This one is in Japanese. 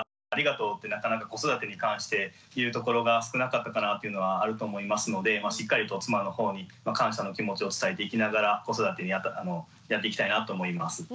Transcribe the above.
「ありがとう」ってなかなか子育てに関して言うところが少なかったかなというのはあると思いますのでしっかりと妻の方に感謝の気持ちを伝えていきながら子育てをやっていきたいなと思います。